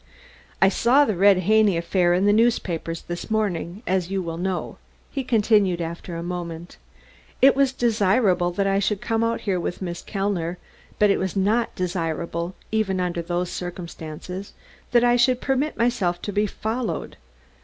"I saw the Red Haney affair in the newspapers this morning, as you will know," he continued after a moment. "It was desirable that I should come here with Miss Kellner, but it was not desirable, even under those circumstances, that I should permit myself to be followed.